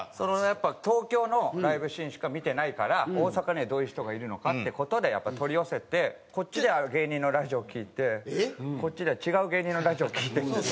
やっぱ東京のライブシーンしか見てないから大阪にはどういう人がいるのかって事でやっぱり取り寄せてこっちでは芸人のラジオを聴いてこっちでは違う芸人のラジオを聴いてって。